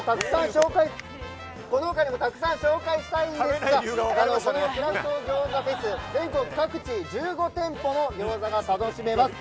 この他にもたくさん紹介したいんですがクラフト餃子フェスは全国各地１５店舗の餃子が楽しめます。